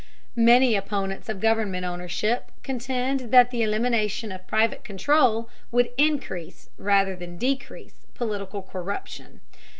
Many opponents of government ownership contend that the elimination of private control would increase, rather than decrease, political corruption.